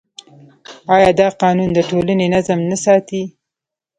آیا دا قانون د ټولنې نظم نه ساتي؟